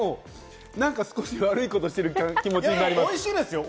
でも何か悪いことしている気持ちになります。